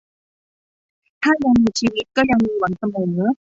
ถ้ายังมีชีวิตก็ยังมีหวังเสมอ